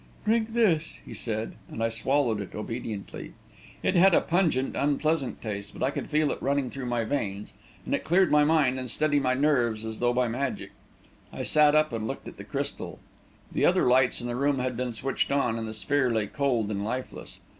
"Drink this," he said, and I swallowed it obediently. It had a pungent, unpleasant taste, but I could feel it running through my veins, and it cleared my mind and steadied my nerves as though by magic. I sat up and looked at the crystal. The other lights in the room had been switched on, and the sphere lay cold and lifeless.